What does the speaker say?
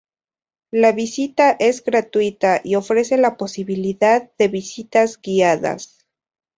La visita es gratuita y ofrece la posibilidad de visitas guiadas.